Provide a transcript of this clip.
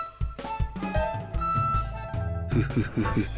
フフフフフ。